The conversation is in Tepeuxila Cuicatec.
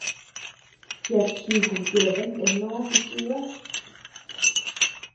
Yat jíku yeabean nde noo jichiba.